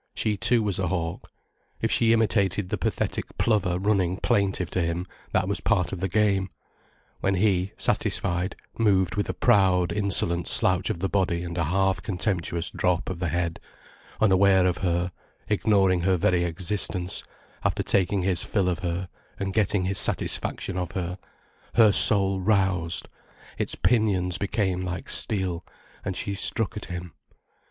She too was a hawk. If she imitated the pathetic plover running plaintive to him, that was part of the game. When he, satisfied, moved with a proud, insolent slouch of the body and a half contemptuous drop of the head, unaware of her, ignoring her very existence, after taking his fill of her and getting his satisfaction of her, her soul roused, its pinions became like steel, and she struck at him.